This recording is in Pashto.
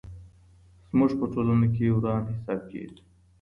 زموږ په ټولنه کي وران حساب کېږي.